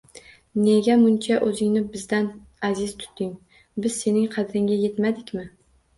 Nega muncha o‘zingni bizdan aziz tutding? Biz sening qadringga yetmadikmi?